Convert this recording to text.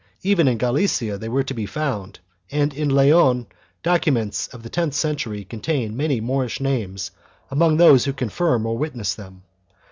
Even in Galicia they were to be found, and in Leon documents of the tenth century contain many Moorish names among those who confirm or wit ness them.